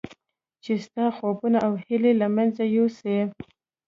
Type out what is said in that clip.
چې ستا خوبونه او هیلې له منځه یوسي.